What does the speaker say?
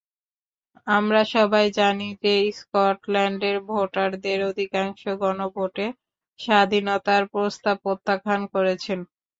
আমরা সবাই জানি যে, স্কটল্যান্ডের ভোটারদের অধিকাংশ গণভোটে স্বাধীনতার প্রস্তাব প্রত্যাখ্যান করেছেন।